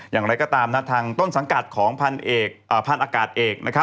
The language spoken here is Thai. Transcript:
อย่างไรก็ตามทางต้นสังกัดของพันธุ์อากาศเอก